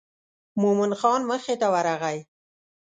مومن خان مخې ته ورغی.